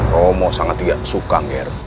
romo sangat tidak suka ngere